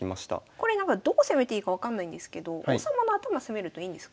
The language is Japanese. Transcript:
これなんかどう攻めていいか分かんないんですけど王様の頭攻めるといいんですか？